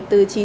từ chín chỗ